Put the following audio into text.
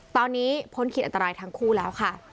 ตอนนี้พ้นขีดอันตรายทั้งคู่แล้วค่ะ